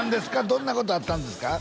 どんなことあったんですか？